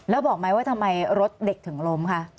แล้วบอกไหมว่าทำไมรถเด็กถึงล้มคะ